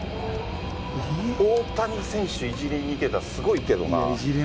大谷選手、いじりにいけたらすごいけどな。